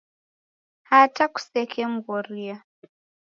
Hata kusekemghoria.